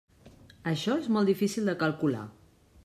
Això és molt difícil de calcular.